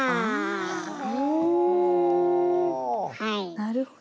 なるほど。